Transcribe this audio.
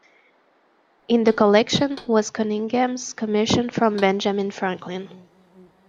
In the collection was Conyngham's commission from Benjamin Franklin.